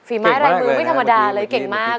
ไม้ลายมือไม่ธรรมดาเลยเก่งมาก